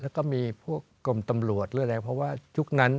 แล้วก็มีพวกกรมตำรวจด้วยอะไรเพราะว่ายุคนั้น